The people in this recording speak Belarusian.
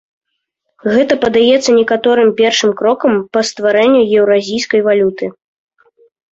Гэта падаецца некаторым першым крокам па стварэнні еўразійскай валюты.